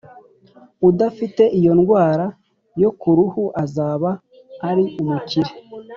udafite iyo ndwara yo ku ruhu azaba ari umukire